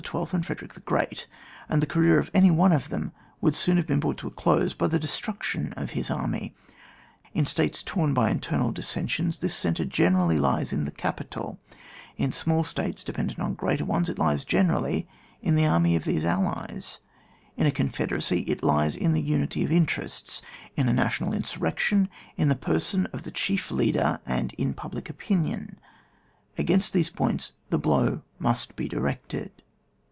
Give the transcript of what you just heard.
and Frederick the Great, and the career of any one of them would soon have been brought to a close by the destruction of his army : in States torn by internal dissensions, this centre gene rally lies in the capital ; in small states dependent on greater ones, it lies gene rally in the army of these allies ; in a con federacy, it lies in the imity of interests ; in a national insurrection, in the person of the chief leader, and in public opinion ; against these points the blow must be directed.